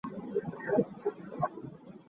Miura remains a common family name in Japan today.